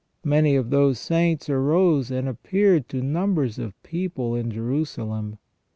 Many of those Saints arose and appeared to numbers of people in Jerusalem.